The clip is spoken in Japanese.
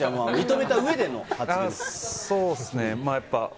そうっすね。